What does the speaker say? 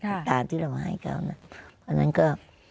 จะตราจรวงให้กันแล้ว